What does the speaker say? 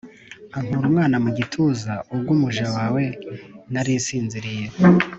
ankura umwana mu gituza ubwo umuja wawe nari nsinziriye